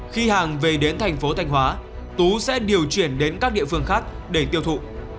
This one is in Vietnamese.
khi hàng về đến thành phố thanh hóa tú sẽ điều chuyển đến các địa phương khác để tiêu thụ